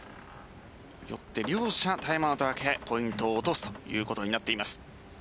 両者タイムアウト明けポイント落とすということになっています。